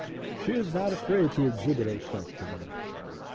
She is not afraid to exhibit herself to them.